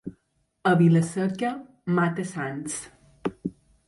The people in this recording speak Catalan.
A Vila-seca, mata-sants.